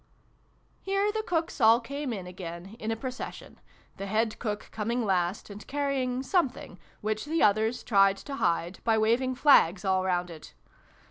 Here the cooks all came in again, in a procession, the Head Cook coming last and carrying something, which the others tried to hide by waving flags all round it.